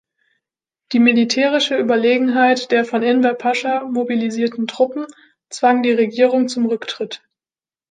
Die militärische Überlegenheit der von Enver Pascha mobilisierten Truppen zwang die Regierung zum Rücktritt.